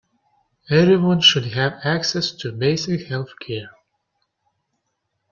Everyone should have access to basic health-care.